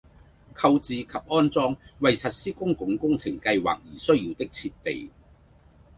購置及安裝為實施公共工程計劃而需要的設備